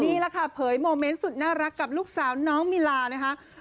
นี่แหละค่ะเผยโมเมนต์สุดน่ารักกับลูกสาวน้องมิลานะคะ